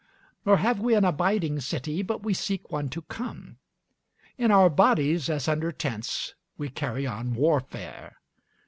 Nor have we an abiding city, but we seek one to come. In our bodies, as under tents, we carry on warfare.